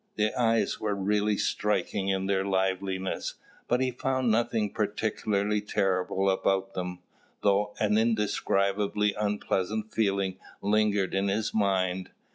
The eyes were really striking in their liveliness, but he found nothing particularly terrible about them, though an indescribably unpleasant feeling lingered in his mind.